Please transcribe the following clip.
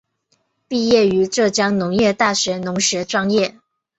毕业于浙江农业大学农学专业。